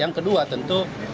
yang kedua tentu